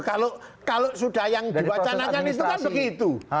kalau sudah yang diwacanakan itu kan begitu